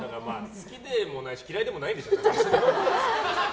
好きでもないし嫌いでもないんでしょ。